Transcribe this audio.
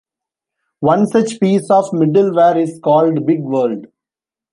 One such piece of middleware is called BigWorld.